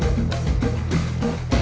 kamu di pasar